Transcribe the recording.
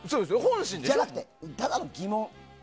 じゃなくてただの疑問。